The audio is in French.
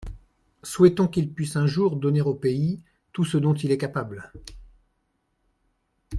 Souhaitons qu’il puisse un jour donner au pays tout ce dont il est capable.